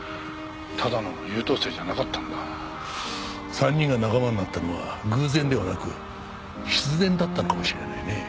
３人が仲間になったのは偶然ではなく必然だったのかもしれないね。